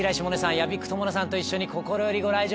屋比久知奈さんと一緒に心よりご来場